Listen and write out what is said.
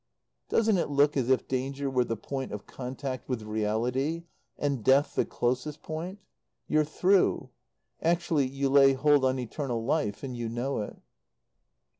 Doesn't it look as if danger were the point of contact with reality, and death the closest point? You're through. Actually you lay hold on eternal life, and you know it.